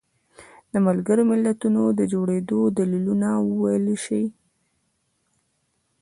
د ملګرو ملتونو د جوړېدو دلیلونه وویلی شي.